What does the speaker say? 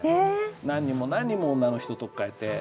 何人も何人も女の人取っ替えて。